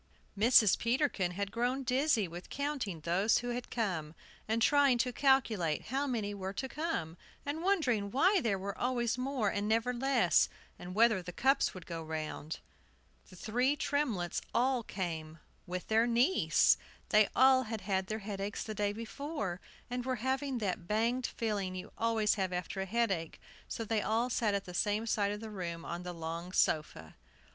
Mrs. Peterkin had grown dizzy with counting those who had come, and trying to calculate how many were to come, and wondering why there were always more and never less, and whether the cups would go round. The three Tremletts all came, with their niece. They all had had their headaches the day before, and were having that banged feeling you always have after a headache; so they all sat at the same side of the room on the long sofa.